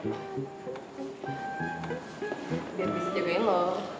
biar bisa jagain lo